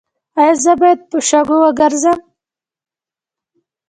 ایا زه باید په شګو وګرځم؟